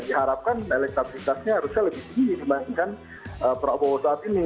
diharapkan elektabilitasnya harusnya lebih tinggi dibandingkan prabowo saat ini